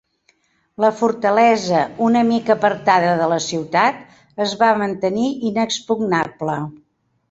La fortalesa, una mica apartada de la ciutat, es va mantenir inexpugnable.